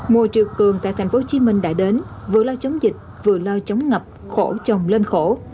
mùa triều cường tại tp hcm đã đến vừa lo chống dịch vừa lo chống ngập khổ chồng lên khổ